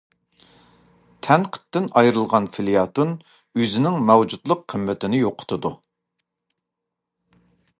تەنقىدتىن ئايرىلغان فېليەتون، ئۆزىنىڭ مەۋجۇتلۇق قىممىتىنى يوقىتىدۇ.